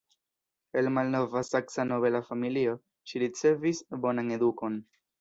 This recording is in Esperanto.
El malnova Saksa nobela familio, ŝi ricevis bonan edukon.